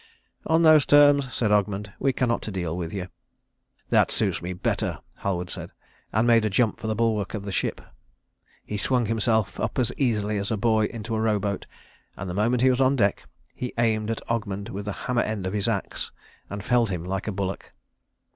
"On those terms," said Ogmund, "we cannot deal with you." "That suits me better," Halward said, and made a jump for the bulwark of the ship. He swung himself up as easily as a boy into a row boat; and the moment he was on deck, he aimed at Ogmund with the hammer end of his axe, and felled him like a bullock.